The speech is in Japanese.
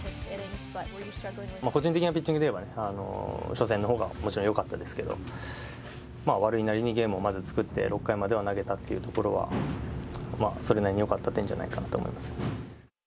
個人的なピッチングで言えばね、初戦のほうがもちろんよかったですけど、まあ悪いなりにゲームをまず作って、６回までは投げたっていうところは、まあそれなりによかった点じゃないかなと思います。